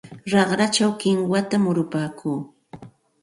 Raqrachaw kinwata murupaakuu.